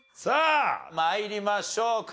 さあ参りましょう。